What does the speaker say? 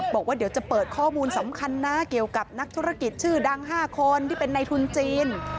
บอกว่าเดี๋ยวจะเปิดข้อมูลสำคัญนะเกี่ยวกับนักธุรกิจชื่อดัง๕คนที่เป็นในทุนจีน